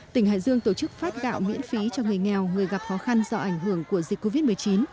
tỉnh hải dương tổ chức phát gạo miễn phí cho người nghèo người gặp khó khăn do ảnh hưởng của dịch covid một mươi chín